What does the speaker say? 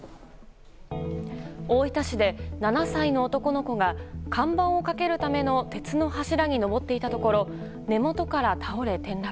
大分市で７歳の男の子が看板をかけるための鉄の柱に登っていたところ根元から倒れ、転落。